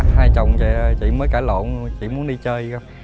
hai chồng chị mới cả lộn chị muốn đi chơi